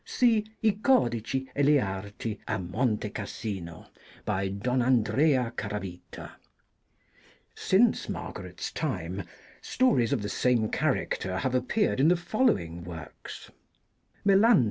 See / codici e le arti a Monte Cassino, by D. Andrea Caravita (vol. ii. p. 289). Since Margaret's time stories of the same character have appeared in the following works : 'a (p.